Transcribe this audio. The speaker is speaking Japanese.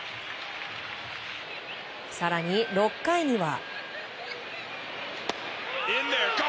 更に６回には。